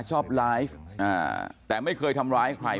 ชอบไลฟ์แต่ไม่เคยทำร้ายใคร